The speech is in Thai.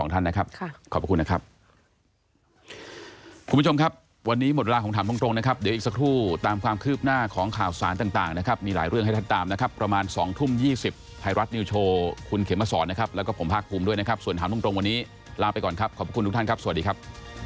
คุณผู้ชมครับวันนี้หมดเวลาของถามตรงนะครับเดี๋ยวอีกสักครู่ตามความคืบหน้าของข่าวสารต่างนะครับมีหลายเรื่องให้ท่านตามนะครับประมาณ๒ทุ่ม๒๐ไทยรัฐนิวโชว์คุณเขมสอนนะครับแล้วก็ผมภาคภูมิด้วยนะครับส่วนถามตรงวันนี้ลาไปก่อนครับขอบคุณทุกท่านครับสวัสดีครับ